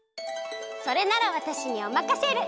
それならわたしにおまかシェル！